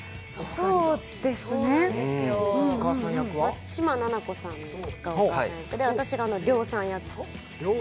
松嶋菜々子さんがお母さん役で、私がりょうさん役。